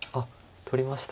取りました。